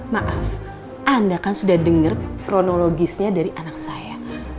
maaf anda kan sudah denger pronologisnya dari anak saya